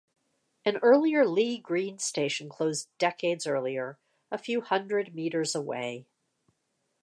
An earlier Lea Green station closed decades earlier, a few hundred metres away.